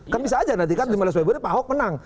kan bisa aja nanti kan lima belas februari pak ahok menang